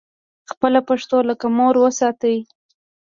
خپله پښتو لکه مور وساتئ